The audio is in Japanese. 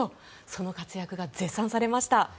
その活躍が絶賛されました。